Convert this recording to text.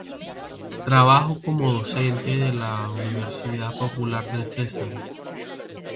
Trabajó como docente de la Universidad Popular del Cesar.